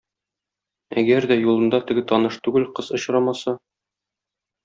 Әгәр дә юлында теге таныш түгел кыз очрамаса.